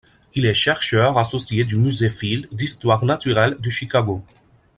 Il est chercheur associé du musée Field d'histoire naturelle de Chicago.